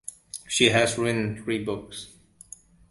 She has written three books.